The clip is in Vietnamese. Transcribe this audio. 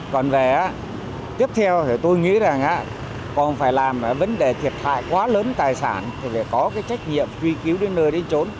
còn về tiếp theo thì tôi nghĩ rằng còn phải làm vấn đề thiệt hại quá lớn tài sản thì phải có cái trách nhiệm truy cứu đến nơi đến trốn